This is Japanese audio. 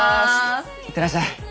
行ってらっしゃい。